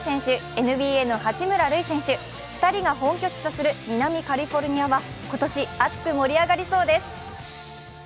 ＮＢＡの八村塁選手、２人が本拠地とする南カリフォルニアは今年、熱く盛り上がりそうです。